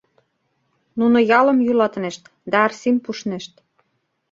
Нуно ялым йӱлатынешт да Арсим пуштнешт.